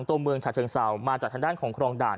ตัวเมืองฉะเชิงเศร้ามาจากทางด้านของครองด่าน